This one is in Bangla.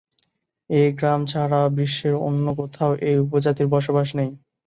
এ গ্রাম ছাড়া বিশ্বের অন্য কোথাও এ উপজাতির বসবাস নেই।